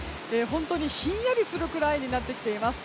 ひんやりするくらいになってきています。